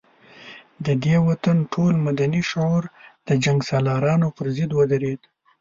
د دې وطن ټول مدني شعور د جنګ سالارانو پر ضد ودرېد.